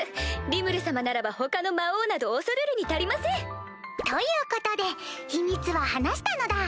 リムル様ならば他の魔王など恐るるに足りません！ということで秘密は話したのだ。